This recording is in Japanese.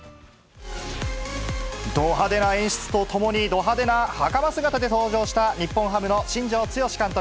ど派手な演出とともに、ど派手なはかま姿で登場した日本ハムの新庄剛志監督。